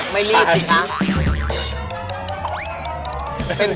ไม่รีบจริงเท้า